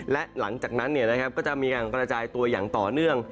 และหลังจากนั้นก็จะมีการกระจายตัวอย่างต่อเนื่อง